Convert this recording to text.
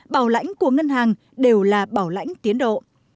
bảo lãnh của ngân hàng đều là bảo lãnh tiến độ